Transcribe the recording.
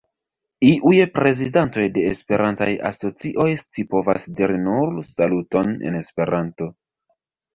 Iuj prezidantoj de Esperantaj asocioj scipovas diri nur "Saluton" en Esperanto.